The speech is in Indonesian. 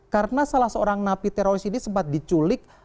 karena salah seorang napi teroris ini sempat diculik